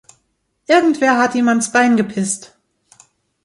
Irgendwer hat ihm ans Bein gepisst.